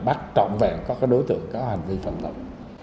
bắt trọn vẹn các đối tượng có hành vi phạm tội